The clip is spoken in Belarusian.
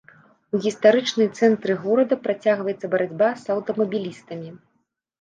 У гістарычны цэнтры горада працягваецца барацьба з аўтамабілістамі.